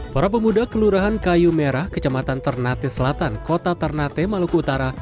para pemuda kelurahan kayu merah kecamatan ternate selatan kota ternate maluku utara